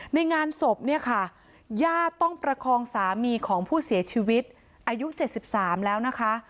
ในงานศพเนี่ยค่ะญาติต้องประคองสามีของผู้เสียชีวิตอายุ๗๓แล้วนะคะ